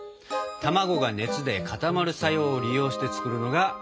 卵が熱で固まる作用を利用して作るのがプリンだ。